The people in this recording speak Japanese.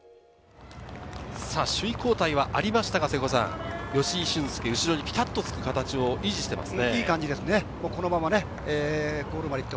首位交代はありましたが、吉居駿恭、後ろにピタっとつく形を維持していますね。